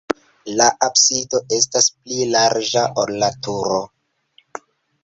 La absido estas pli larĝa, ol la turo.